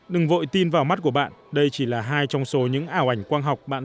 đừng vội tin vào mắt của bạn đây chỉ là hai trong số những ảo ảnh quang học bạn